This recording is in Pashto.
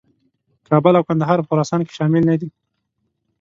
کابل او کندهار په خراسان کې شامل نه دي.